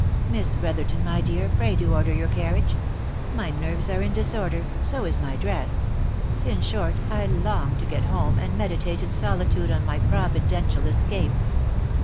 Miss Brotherton, my dear, pray do order your carriage ; my nerves are in disorder, so is my dress — in short, 1 long to get home, and meditate in solitude on my providential escape."